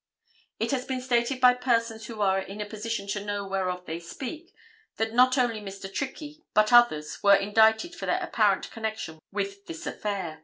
It has been stated by persons who are in a position to know whereof they speak, that not only Mr. Trickey, but others were indicted for their apparent connection with this affair.